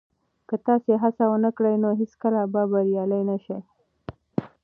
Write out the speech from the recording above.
که تاسي هڅه ونه کړئ نو هیڅکله به بریالي نه شئ.